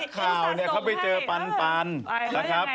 นักข่าวเข้าไปเจอปันนะครับ